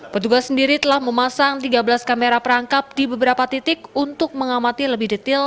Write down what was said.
petugas sendiri telah memasang tiga belas kamera perangkap di beberapa titik untuk mengamati lebih detail